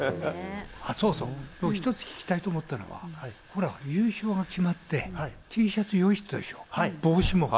そうそう、僕、一つ聞きたいと思ったのが、ほら、優勝が決まって、Ｔシャツ用意してたでしょ、帽子も。